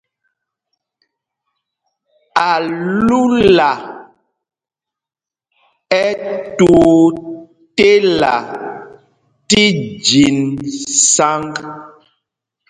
Alúla ɛ́ tuu tela fí jǐn sǎŋg.